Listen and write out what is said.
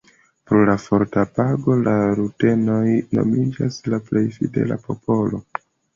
Pro la forta apogo la rutenoj nomiĝas la plej fidela popolo.